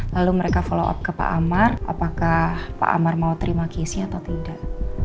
lalu mereka follow up ke pak amar apakah pak amar mau terima kisi atau tidak